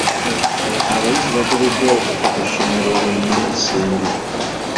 Abayizi bagobeddwa okuva ku ssomero olw'enneeyisa embi.